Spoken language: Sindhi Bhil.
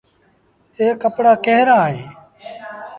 اي ڪپڙآ ڪݩهݩ رآ اهيݩ۔